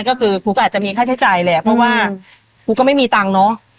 ก็คือกูก็อาจจะมีค่าใช้จ่ายแหละเพราะว่ากูก็ไม่มีตังค์เนอะ